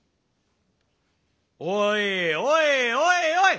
おいおいおいおい！